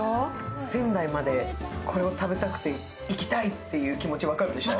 仙台まで、これを食べたくて行きたいっていう気持ち分かるでしょ。